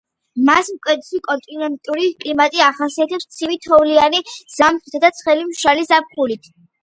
მას მკვეთრი კონტინენტური კლიმატი ახასიათებს ცივი თოვლიანი ზამთრითა და ცხელი მშრალი ზაფხულით.